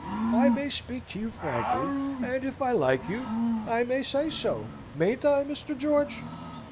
I may speak to you frankly; and if I like you, I may say so, mayn't I, Mr. George?"